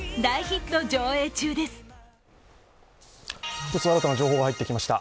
一つ新たな情報が入ってきました。